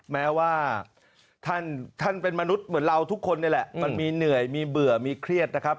แม้ว่าท่านเป็นมนุษย์เหมือนเราทุกคนนี่แหละมันมีเหนื่อยมีเบื่อมีเครียดนะครับ